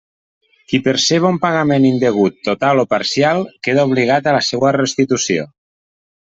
Qui perceba un pagament indegut total o parcial queda obligat a la seua restitució.